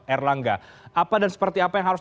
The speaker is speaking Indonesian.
erlangga apa dan seperti apa yang harus